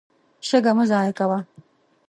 شګه مه ضایع کوه.